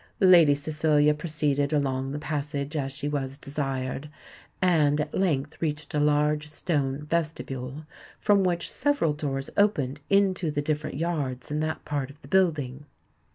Lady Cecilia proceeded along the passage as she was desired, and at length reached a large stone vestibule, from which several doors opened into the different yards in that part of the building.